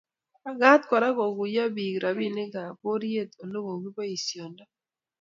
Magat Kora koguiyo bik robinikab poror Ole kokiboisiondo